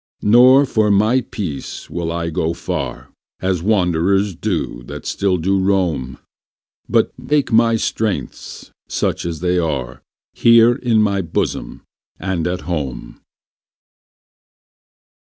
Nor for my peace will I go far, As wanderers do, that still do roam; But make my strengths, such as they are, Here in my bosom, and at home.